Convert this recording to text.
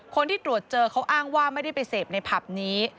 คนที่ตรวจเจอเขาอ้างว่าไม่ได้ไปเสพในผับนี้